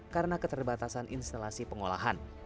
karena keterbatasan instalasi pengolahan